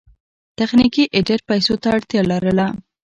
تخنیکي ایډېټ پیسو ته اړتیا لرله.